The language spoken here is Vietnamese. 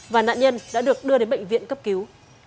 và nạn nhân đã được đưa đến bệnh viện cấp cứu